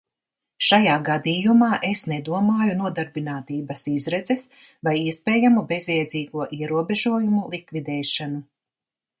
Šajā gadījumā es nedomāju nodarbinātības izredzes vai iespējamu bezjēdzīgo ierobežojumu likvidēšanu.